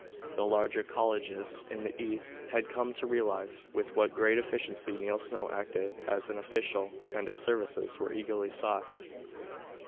The larger colleges in the East had come to realize with what great efficiency Neil Snow acted as an official and his services were eagerly sought.